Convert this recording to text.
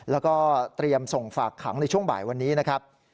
แล้วก็เตรียมส่งฝากขังในช่วงบ่ายวันนี้นะครับ